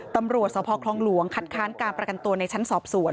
ตำรวจสพคลองหลวงคัดค้านการประกันตัวในชั้นสอบสวน